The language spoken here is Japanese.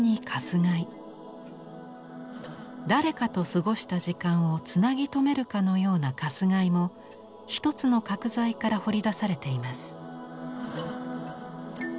誰かと過ごした時間をつなぎ止めるかのような鎹も一つの角材から彫り出されています。